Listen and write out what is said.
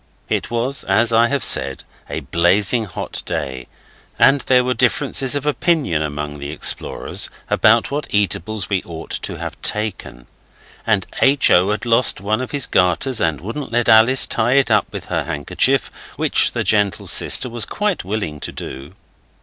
It was, as I have said, a blazing hot day, and there were differences of opinion among the explorers about what eatables we ought to have taken, and H. O. had lost one of his garters and wouldn't let Alice tie it up with her handkerchief, which the gentle sister was quite willing to do.